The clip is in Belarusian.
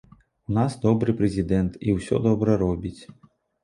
У нас добры прэзідэнт і усе добра робіць.